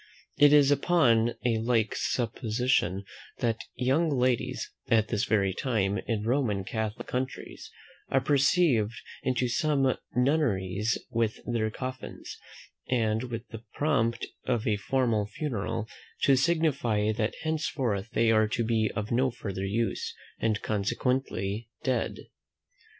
It is upon a like supposition that young ladies, at this very time, in Roman Catholic countries, are received into some nunneries with their coffins, and with the pomp of a formal funeral, to signify that henceforth they are to be of no further use, and consequently dead.